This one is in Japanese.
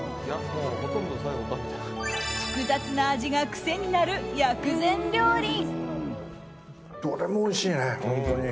複雑な味が癖になる薬膳料理。